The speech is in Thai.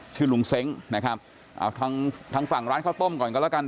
ชื่อลุงเซ้งนะครับเอาทางทางฝั่งร้านข้าวต้มก่อนกันแล้วกัน